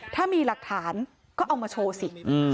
ถ้ามีหลักฐานก็เอามาโชว์สิ